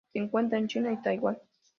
Se encuentra en China y Taiwán.